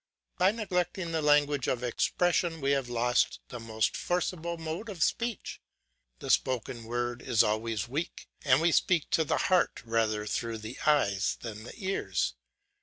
By neglecting the language of expression we have lost the most forcible mode of speech. The spoken word is always weak, and we speak to the heart rather through the eyes than the ears.